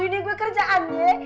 ini gue kerjaan ye